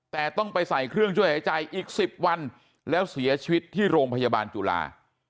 แต่ต้องไปใส่เครื่องช่วยหายใจอีก๑๐วันแล้วเสียชีวิตที่โรงพยาบาลจุฬา